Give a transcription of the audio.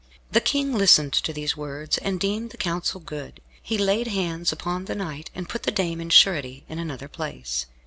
The King listened to these words, and deemed the counsel good. He laid hands upon the knight, and put the dame in surety in another place.